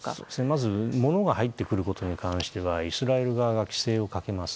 まず、ものが入ってくることに関してはイスラエル側が規制をかけます。